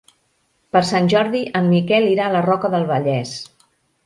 Per Sant Jordi en Miquel irà a la Roca del Vallès.